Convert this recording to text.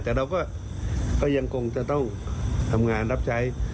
แต่เราก็ยังคงจะต้องทำงานรับใช้